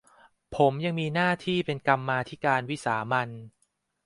ผมยังมีหน้าที่เป็นกรรมาธิการวิสามัญ